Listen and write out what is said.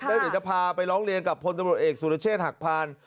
ได้เหลือจะพาไปร้องเรียนกับพลตำรวจเอกสุรเชษฐ์หักพรรณ